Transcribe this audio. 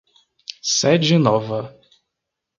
Sede Nova